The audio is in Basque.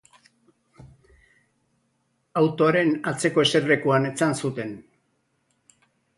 Autoaren atzeko eserlekuan etzan zuten.